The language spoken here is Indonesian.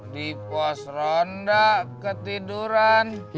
di pos ronda ketiduran